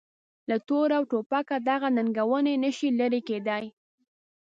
له توره او توپکه دغه ننګونې نه شي لرې کېدای.